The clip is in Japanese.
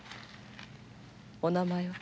お名前は？